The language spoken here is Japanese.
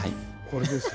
これです。